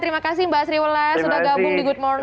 terima kasih mba asriwola sudah gabung di good morning